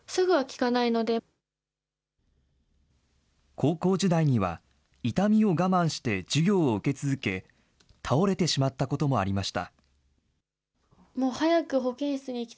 高校時代には、痛みを我慢して授業を受け続け、倒れてしまったこともありました。